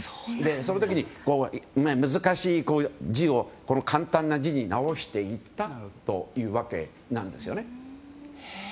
その時に、難しい字を簡単な字に直していったというわけです。